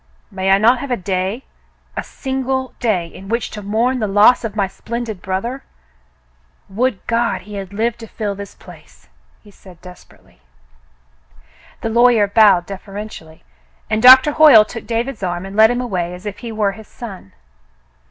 May I not have a day — a single day — in which to mourn the loss of my splen did brother ? Would God he had lived to fill this place !" he said desperately. The lawyer bowed deferentially, and Doctor Hoyle took David's arm and led him away as if he were his son.